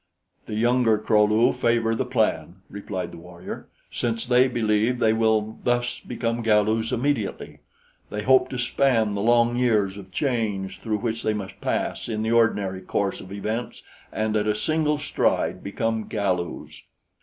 "The younger Kro lu favor the plan," replied the warrior, "since they believe they will thus become Galus immediately. They hope to span the long years of change through which they must pass in the ordinary course of events and at a single stride become Galus.